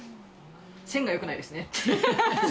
線がよくないですね。